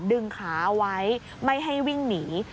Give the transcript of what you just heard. ดึงขาเอาไว้ไม่ให้วิ่งหนี